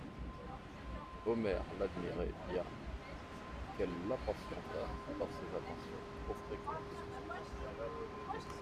Omer l'admirait bien qu'elle l'impatientât par ses attentions trop fréquentes.